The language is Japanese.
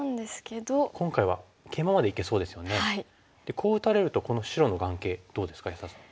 こう打たれるとこの白の眼形どうですか安田さん。